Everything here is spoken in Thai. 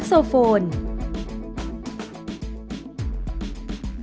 จุดที่๓รวมภาพธนบัตรที่๙